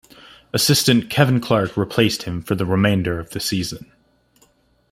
Assistant Kevin Clark replaced him for the remainder of the season.